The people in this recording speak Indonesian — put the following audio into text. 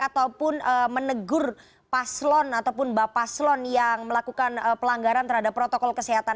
ataupun menegur paslon ataupun bapak paslon yang melakukan pelanggaran terhadap protokol kesehatan